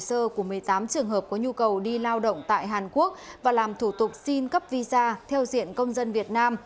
hồ sơ của một mươi tám trường hợp có nhu cầu đi lao động tại hàn quốc và làm thủ tục xin cấp visa theo diện công dân việt nam